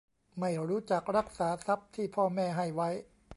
ไม่รู้จักรักษาทรัพย์ที่พ่อแม่ให้ไว้